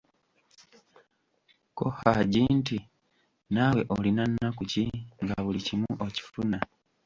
Ko Haji nti: Naawe olina nnaku ki nga buli kimu okifuna?